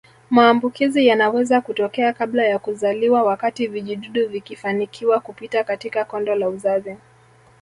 Maambukizi yanaweza kutokea kabla ya kuzaliwa wakati vijidudu vikifanikiwa kupita katika kondo la uzazi